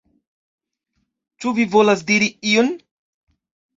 Ĉu vi volas diri ion?